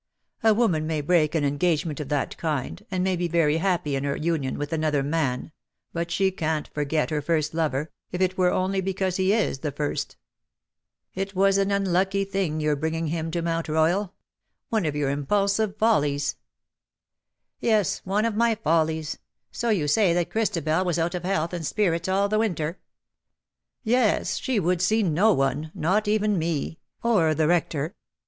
A woman may break an engage ment of that kind, and may be very happy in her union with another man, but she can't forget her first lover, if it were only because he is the first. 140 ^' GAI DONC, LA VOYAGEUSE, It was an Tinlucky thing your bringing him to Mount Koyal. One of your impulsive follies/' '^ YeSj one of my follies. So you say that Christabel was out of health and spirits all the winter/' " YeSj she would see no one — not even me — or the Rector.